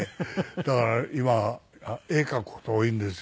だから今絵描く事多いんですよ。